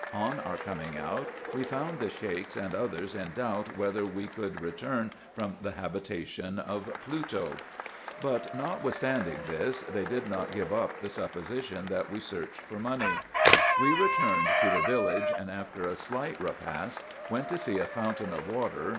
On our coming out, we found the Sheiks and others in doubt, whether we could return from the habitation of 3 G 410 RESEARCHES AND OPERATIONS Pluto; but, notwithstanding this, they did not give up the supposition that we searched for money. We returned to the village, and after a slight repast, went to see a fountain of water?